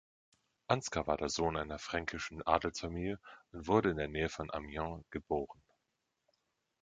Ansgar war der Sohn einer fränkischen Adelsfamilie und wurde in der Nähe von Amiens geboren.